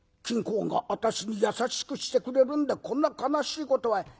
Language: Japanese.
金公が私に優しくしてくれるんでこんな悲しいことは。